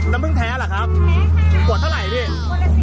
ช่วงนี้น้ำตาลมันแทง